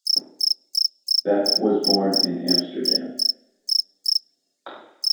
Bep was born in :Amsterdam.